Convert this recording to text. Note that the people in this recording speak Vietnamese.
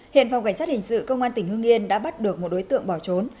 hiện phòng cảnh sát hình sự công an tỉnh hương yên đã bắt được một đối tượng bỏ trốn